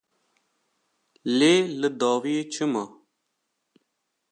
Lê li dawiyê çi ma?